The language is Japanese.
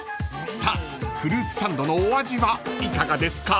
［さあフルーツサンドのお味はいかがですか？］